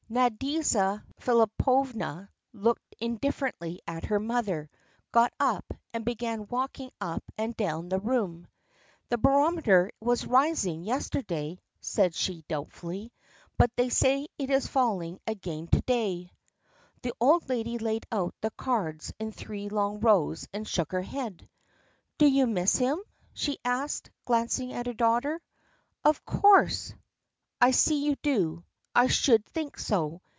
Nadyezhda Filippovna looked indifferently at her mother, got up, and began walking up and down the room. "The barometer was rising yesterday," she said doubtfully, "but they say it is falling again to day." The old lady laid out the cards in three long rows and shook her head. "Do you miss him?" she asked, glancing at her daughter. "Of course." "I see you do. I should think so.